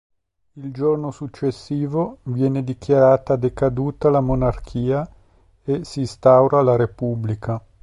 Il giorno successivo viene dichiarata decaduta la monarchia, e si instaura la repubblica.